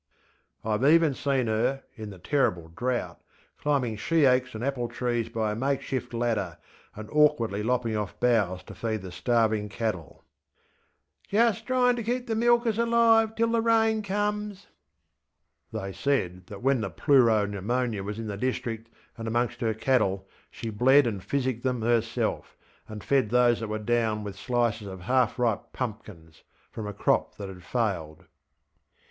ŌĆÖ IŌĆÖve even seen her, in the terrible drought, climbing she oaks and apple trees by a makeshift ladder, and awkwardly lopping off boughs to feed the starving cattle. ŌĆśJist tryinŌĆÖ ter keep the milkers alive till the rain comes. ŌĆÖ They said that when the pleuro pneumonia was in the district and amongst her cattle she bled and physicked them herself, and fed those that were down with slices of half ripe pumpkins (from a crop that had failed).